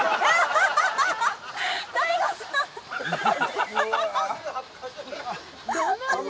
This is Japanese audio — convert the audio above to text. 大悟さん！